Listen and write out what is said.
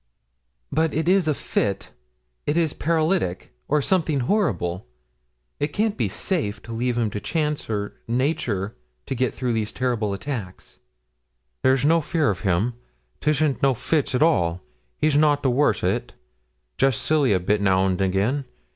'But it is a fit, it is paralytic, or something horrible it can't be safe to leave him to chance or nature to get through these terrible attacks.' 'There's no fear of him, 'tisn't no fits at all, he's nout the worse o't. Jest silly a bit now and again.